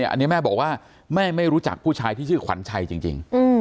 อันนี้แม่บอกว่าแม่ไม่รู้จักผู้ชายที่ชื่อขวัญชัยจริง